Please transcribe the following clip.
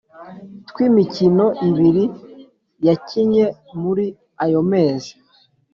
tw’imikino ibiri yakinye muri ayo mezi